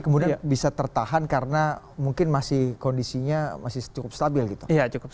kemudian bisa tertahan karena mungkin masih kondisinya masih cukup stabil gitu ya cukup